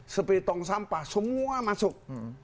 sepitong sampah semua masuk